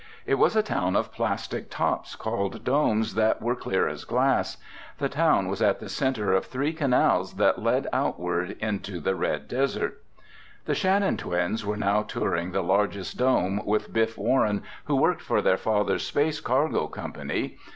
It was a town of plastic tops, called domes, that were clear as glass. The town was at the center of three canals that led outward into the red desert. The Shannon twins were now touring the largest dome with Biff Warren, who worked for their father's space cargo company.